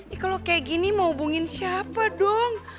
ini kalau kayak gini mau hubungin siapa dong